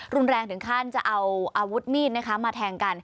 รุนแรงถึงขั้นจะเอาอาวุธมีดมาแทงกัน